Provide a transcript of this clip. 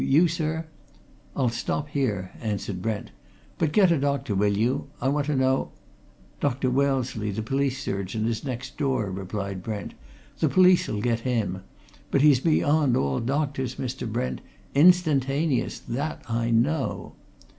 You, sir " "I'll stop here," answered Brent. "But get a doctor, will you? I want to know " "Dr. Wellesley, the police surgeon, is next door," replied Brent. "The police'll get him. But he's beyond all doctors, Mr. Brent! Instantaneous that! I know!"